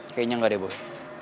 kayaknya gak deh boy